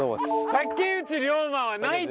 竹内涼真はないって！